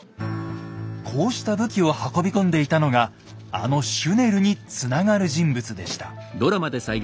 こうした武器を運び込んでいたのがあのシュネルにつながる人物でした。